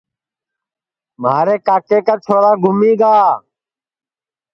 بھو رے کا چھورا گُمیگا ہے